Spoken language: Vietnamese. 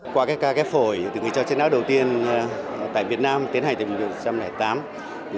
qua cái ca ghép phổi từ người cho chết não đầu tiên tại việt nam tiến hành từ hai nghìn tám